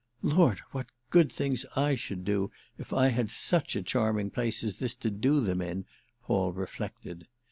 "Lord, what good things I should do if I had such a charming place as this to do them in!" Paul reflected.